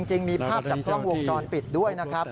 จริงมีภาพจากกล้องวงจรปิดด้วยนะครับ